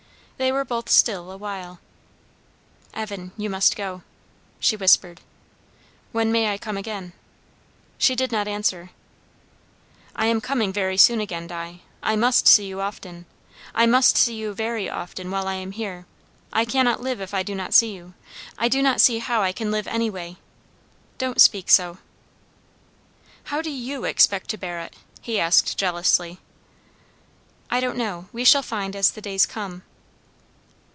They were both still awhile. "Evan you must go," she whispered. "When may I come again?" She did not answer. "I am coming very soon again, Di. I must see you often I must see you very often, while I am here. I cannot live if I do not see you. I do not see how I can live any way!" "Don't speak so." "How do you expect to bear it?" he asked jealously. "I don't know. We shall find as the days come."